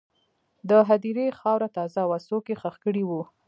د هدیرې خاوره تازه وه، څوک یې ښخ کړي وو.